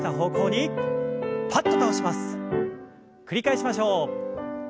繰り返しましょう。